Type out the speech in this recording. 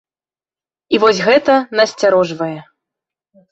І вось гэта насцярожвае.